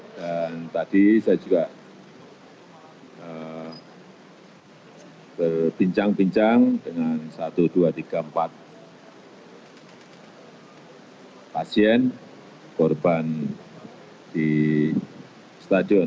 dan tadi saya juga berbincang bincang dengan satu dua tiga empat pasien korban di stadion